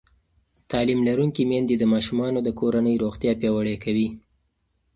تعلیم لرونکې میندې د ماشومانو د کورنۍ روغتیا پیاوړې کوي.